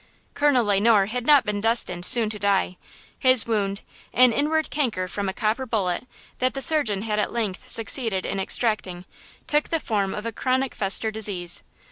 Colonel Le Noir had not been destined soon to die; his wound, an inward canker from a copper bullet, that the surgeon had at length succeeded in extracting, took the form of a chronic fester disease.